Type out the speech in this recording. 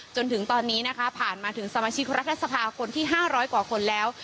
จนถึงตอนนี้นะคะผ่านมาถึงสมาชิกรัฐสภาคนที่๕๐๐กว่าคนแล้ว